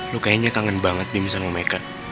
lu kayaknya kangen banget bimisan omekan